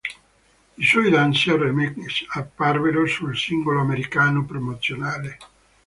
I suoi dance remix apparvero sul singolo americano promozionale.